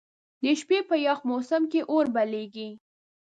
د شپې په یخ موسم کې اور بليږي.